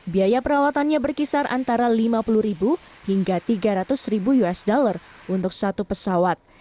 biaya perawatannya berkisar antara lima puluh ribu hingga tiga ratus usd untuk satu pesawat